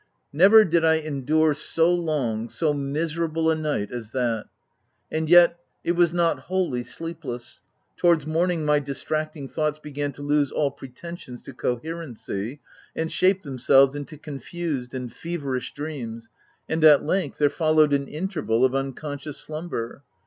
Never did I endure so long, so miserable a night as that. And yet, it was not wholly sleepless: towards morning my distracting thoughts began to lose all pretensions to co herency, and shape themselves into confused and feverish dreams, and, at length, there fol lowed an interval of unconscious slumber.